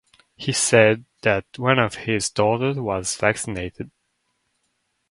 He said that one of his daughters was vaccinated.